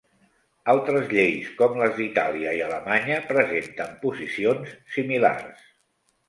Altres lleis com les d'Itàlia i Alemanya presenten posicions similars.